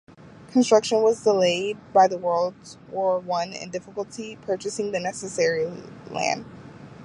Construction was delayed by World War One and difficulty purchasing the necessary land.